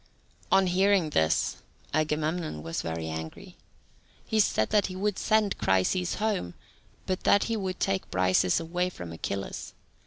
On hearing this, Agamemnon was very angry. He said that he would send Chryseis home, but that he would take Briseis away from Achilles.